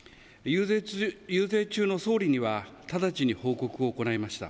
遊説中の総理には直ちに報告を行いました。